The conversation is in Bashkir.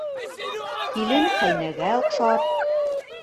Килен ҡәйнәгә оҡшар.